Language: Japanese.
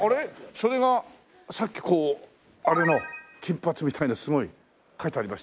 それがさっきこうあれの金髪みたいなすごい描いてありましたね。